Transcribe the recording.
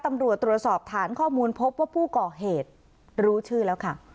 ตำรวจตรวจสอบฐานข้อมูลพบว่าผู้ก่อเหตุรู้ชื่อแล้วค่ะ